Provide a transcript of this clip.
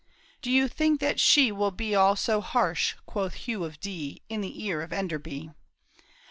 ''Do you think that she will be All so harsh ?" quoth Hugh of Dee In the ear of Enderby.